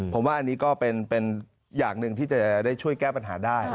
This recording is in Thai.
ผมว่าอันนี้ก็เป็นอย่างหนึ่งที่จะได้ช่วยแก้ปัญหาได้